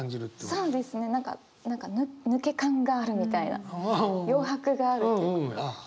そうですね何か抜け感があるみたいな余白があるっていうこと。